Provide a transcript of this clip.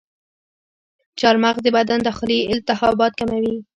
چارمغز د بدن داخلي التهابات کموي.